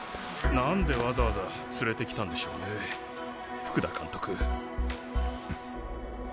何でわざわざ連れてきたんでしょうね福田監督。